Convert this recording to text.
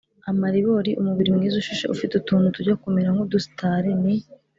amaribori: umubiri mwiza ushishe ufite utuntu tujya kumera nk’udusitari ni